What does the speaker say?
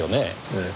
ええ。